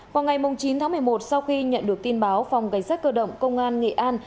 vào ngày chín tháng một mươi một sau khi nhận được tin báo phòng cảnh sát cơ động công an nghệ an